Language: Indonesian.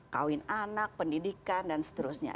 kawin anak pendidikan dan seterusnya